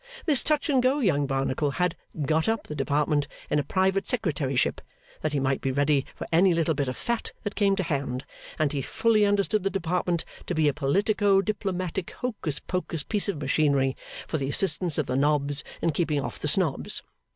This touch and go young Barnacle had 'got up' the Department in a private secretaryship, that he might be ready for any little bit of fat that came to hand; and he fully understood the Department to be a politico diplomatic hocus pocus piece of machinery for the assistance of the nobs in keeping off the snobs.